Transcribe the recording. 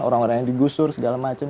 orang orang yang digusur segala macam